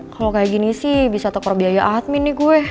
kalau kayak gini sih bisa tekor biaya admin nih gue